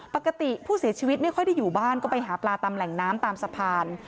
ปกติผู้เสียชีวิตไม่ค่อยได้อยู่บ้านก็ไปหาปลาตามแหล่งน้ำตามสะพาน